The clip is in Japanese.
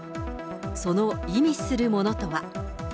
その意味するものとは。